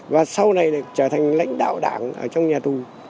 và sau này trở thành lãnh đạo đảng trong nhà tù